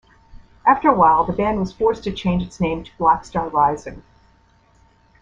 After a while the band was forced to change its name to Blackstar Rising.